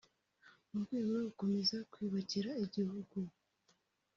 mu rwego rwo gukomeza kwiyubakira igihugu”